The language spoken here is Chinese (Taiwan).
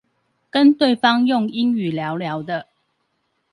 跟對方用英語聊聊的